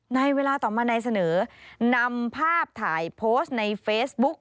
ในเวลาต่อมานายเสนอนำภาพถ่ายโพสต์ในเฟซบุ๊ก